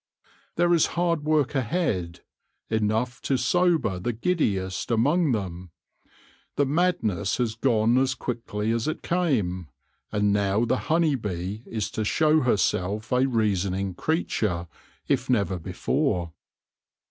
There is hard work ahead, enough to sober the giddiest among them. The madness has gone as quickly as it came, and now the honey bee is to show herself a reasoning creature, if never before.